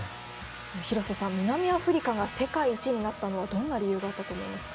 廣瀬さん、南アフリカが世界一になったのはどんな理由だったと思いますか？